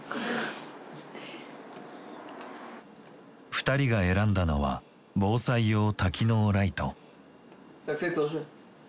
２人が選んだのは防災用多機能ライト。